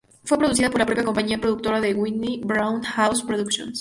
Fue producida por la propia compañía productora de Whitney, Brown House Productions.